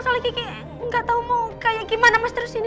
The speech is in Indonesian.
soalnya kayak gak tau mau kayak gimana mas terus ini